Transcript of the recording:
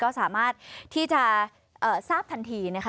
ก็สามารถที่จะทราบทันทีนะคะ